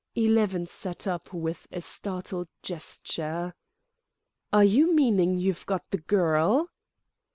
Eleven sat up with a startled gesture. "Are you meaning you've got the girl?"